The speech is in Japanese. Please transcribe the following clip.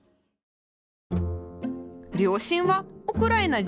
両親はウクライナ人。